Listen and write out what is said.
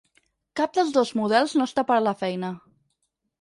Cap dels dos models no està per la feina.